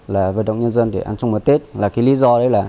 là vận động nhân dân để ăn chung một tết